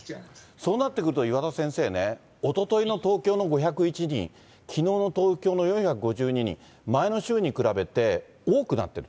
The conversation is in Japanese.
そうなってくると、岩田先生ね、おとといの東京の５０１人、きのうの東京の４５２人、前の週に比べて、多くなってる。